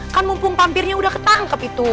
kan mumpung pampirnya udah ketangkep itu